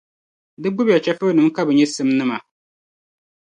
Di gbibi ya chεfurinim’ ka bɛ nyɛ simnima.